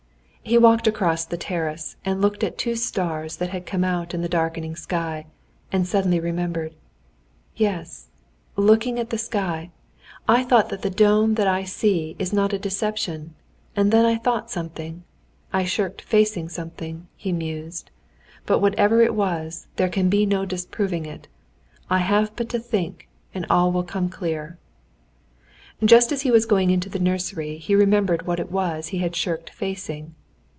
He walked across the terrace and looked at two stars that had come out in the darkening sky, and suddenly he remembered. "Yes, looking at the sky, I thought that the dome that I see is not a deception, and then I thought something, I shirked facing something," he mused. "But whatever it was, there can be no disproving it! I have but to think, and all will come clear!" Just as he was going into the nursery he remembered what it was he had shirked facing.